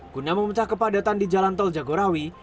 guna memecah kepadatan di jalan tol jagorawi